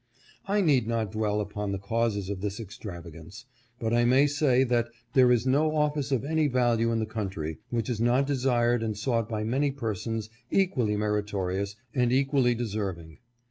I need not dwell upon the causes of this extravagance, but I may say that there is no office of any value in the country which is not desired and sought by many persons equally meritorious and equally deserving.